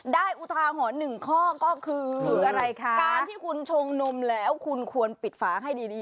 อุทาหรณ์หนึ่งข้อก็คืออะไรคะการที่คุณชงนมแล้วคุณควรปิดฝาให้ดี